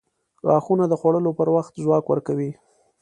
• غاښونه د خوړلو پر وخت ځواک ورکوي.